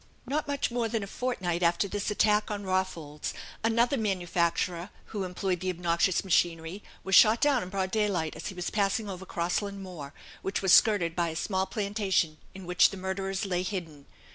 Not much more than a fortnight after this attack on Rawfolds, another manufacturer who employed the obnoxious machinery was shot down in broad daylight, as he was passing over Crossland Moor, which was skirted by a small plantation in which the murderers lay hidden.